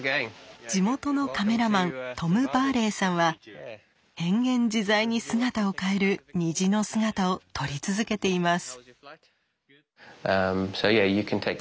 地元のカメラマントム・バーレイさんは変幻自在に姿を変える虹の姿を撮り続けています。